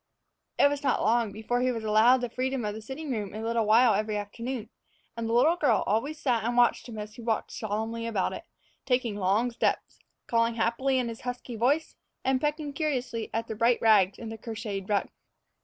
It was not long before he was allowed the freedom of the sitting room a little while every afternoon, and the little girl always sat and watched him as he walked solemnly about it, taking long steps, calling happily in his husky voice, and pecking curiously at the bright rags in the crocheted rug.